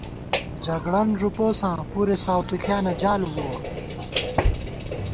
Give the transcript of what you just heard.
جگڑَن ݫُپوساں ، پُرے ساؤتُݪیانہ جال بُوَہ